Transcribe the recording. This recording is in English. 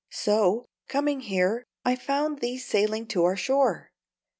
So, coming here, I found thee sailing to our shore."